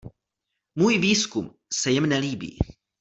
Můj výzkum se jim nelíbí.